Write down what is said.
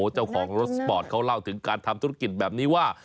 เจ้าของรถสปอร์ตเขาเล่าถึงการทำธุรกิจแบบนี้ว่า